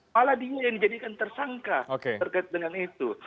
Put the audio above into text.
malah dia yang dijadikan tersangka terkait dengan itu